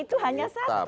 itu hanya satu